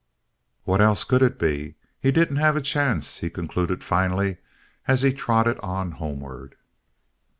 What else could it be? He didn't have a chance," he concluded finally, as he trotted on homeward.